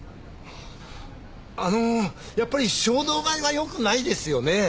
あのやっぱり衝動買いはよくないですよね。